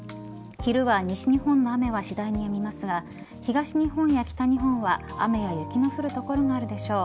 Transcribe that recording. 昼は西日本の雨は次第にやみますが東日本や北日本は雨や雪の降る所があるでしょう。